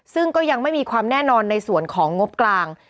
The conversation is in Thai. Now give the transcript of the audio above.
ซึ่งก็ยังไม่มีความแน่นอนในส่วนของงบกลาง